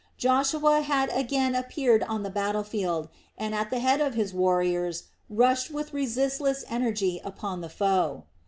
Joshua had again appeared on the battle field and, at the head of his warriors, rushed with resistless energy upon the foe.